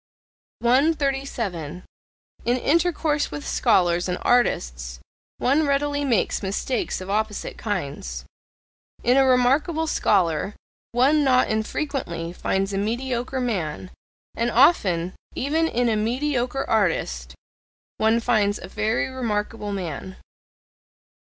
137. In intercourse with scholars and artists one readily makes mistakes of opposite kinds: in a remarkable scholar one not infrequently finds a mediocre man; and often, even in a mediocre artist, one finds a very remarkable man.